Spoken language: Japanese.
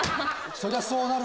そりゃそうなるか。